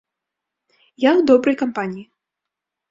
Я ў добрай кампаніі.